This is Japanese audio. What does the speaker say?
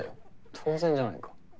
当然じゃないか。